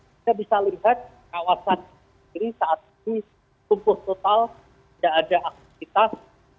kita bisa lihat kawasan ini saat ini lumpuh total tidak ada aktivitas